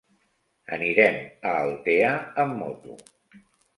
Anirem a Altea amb moto.